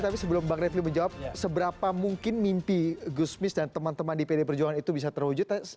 tapi sebelum bang redli menjawab seberapa mungkin mimpi gusmis dan teman teman di pd perjuangan itu bisa terwujud